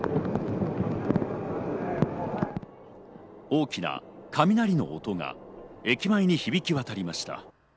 大きな雷の音が駅前に響き渡りました。